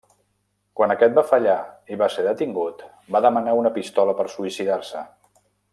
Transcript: Quan aquest va fallar, i va ser detingut, va demanar una pistola per suïcidar-se.